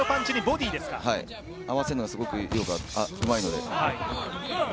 合わせるのがすごくうまいので。